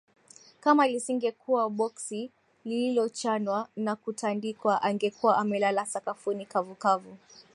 Kama lisingekuwa boksi lililochanwa na kutandikwa angekuwa amelala sakafuni kavukavu